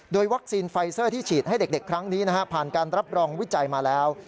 โดยวัคซีนไฟเซอร์ที่ฉีดให้เด็กครั้งนี้ผ่านการรับรองวิจัยมาแล้ว